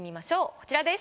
こちらです。